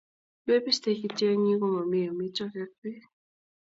mebistech kityo eng yu komomi omitwogik ak beek